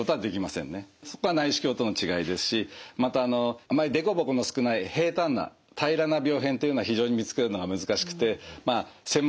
そこは内視鏡との違いですしまたあのあまりデコボコの少ない平坦な平らな病変というのは非常に見つけるのが難しくて専門家でもしばしばですね